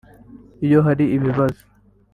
iyo hari ibibazo